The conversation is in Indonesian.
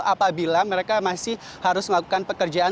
apabila mereka masih harus melakukan pekerjaan